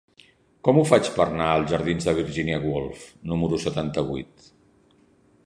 Com ho faig per anar als jardins de Virginia Woolf número setanta-vuit?